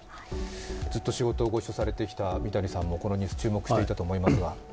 ずっと仕事をご一緒されてきた三谷さんもこのニュース注目されていたと思いますが。